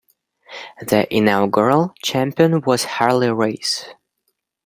The inaugural champion was Harley Race.